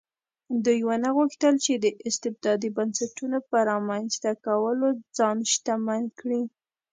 دوی ونه غوښتل چې د استبدادي بنسټونو په رامنځته کولو ځان شتمن کړي.